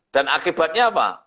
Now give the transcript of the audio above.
dan akibatnya apa